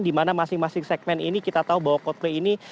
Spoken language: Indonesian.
di mana masing masing segmen ini kita tahu bahwa coldplay ini